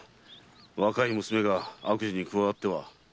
若い娘が悪事に加わっては。